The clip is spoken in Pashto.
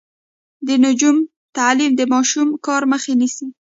د نجونو تعلیم د ماشوم کار مخه نیسي.